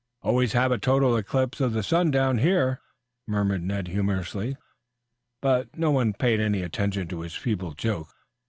"Always have a total eclipse of the sun down here," muttered Ned humorously, but no one paid any attention to his feeble joke.